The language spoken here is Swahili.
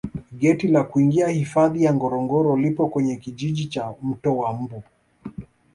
geti la kuingia hifadhi ya ngorongoro lipo kwenye kijiji cha mto wa mbu